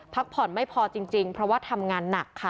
พักผ่อนไม่พอจริงเพราะว่าทำงานหนักค่ะ